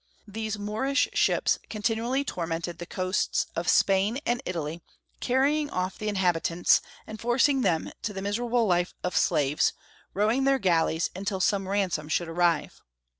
These Moorish ships continually tormented the coasts of Spain and Italy, carrying off the inhabitants, and forcing them to the miser able life of slaves, rowing their galleys, until some ransom should arrive.